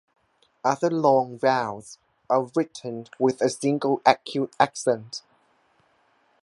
Other long vowels are written with a single acute accent.